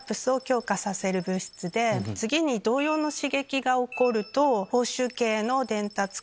次に同様の刺激が起こると。